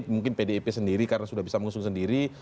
mungkin pdip sendiri karena sudah bisa mengusung sendiri